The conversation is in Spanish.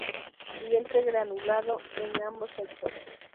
Vientre granulado en ambos sexos.